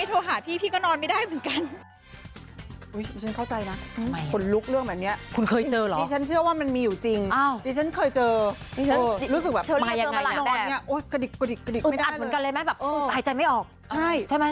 นอนกับพี่สาวเออขามันพลาดพ่ออยู่โอ้โหหายใจไม่ออกกระไป